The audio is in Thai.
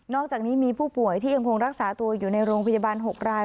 อกจากนี้มีผู้ป่วยที่ยังคงรักษาตัวอยู่ในโรงพยาบาล๖ราย